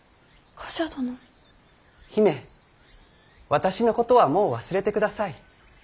私のことはもう忘れてください。